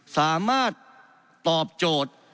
สามารถตอบโจทย์